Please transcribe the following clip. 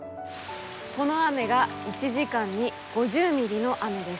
この雨が１時間に５０ミリの雨です。